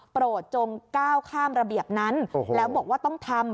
โปรดจงก้าวข้ามระเบียบนั้นแล้วบอกว่าต้องทำ